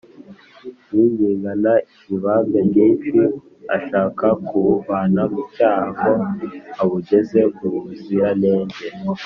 yingingana ibambe ryinshi ashaka kubuvana mu cyaha ngo abugeze mu buziranenge